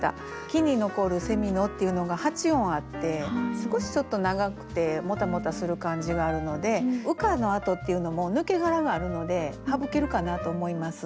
「木に残る蝉の」っていうのが８音あって少しちょっと長くてもたもたする感じがあるので「羽化のあと」っていうのも「抜け殻」があるので省けるかなと思います。